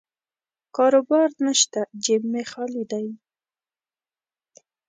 کاروبار نشته، جیب مې خالي دی.